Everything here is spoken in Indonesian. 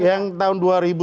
yang tahun dua ribu